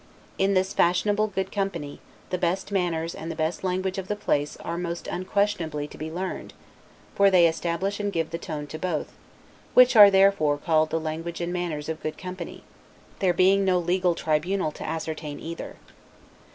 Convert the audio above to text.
In this fashionable good company, the best manners and the best language of the place are most unquestionably to be learned; for they establish and give the tone to both, which are therefore called the language and manners of good company: there being no legal tribunal to ascertain either.